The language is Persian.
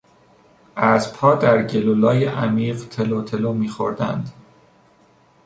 اسبها در گل و لای عمیق تلو تلو میخوردند.